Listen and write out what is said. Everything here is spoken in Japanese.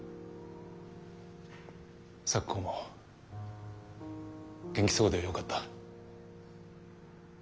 咲子も元気そうでよかった。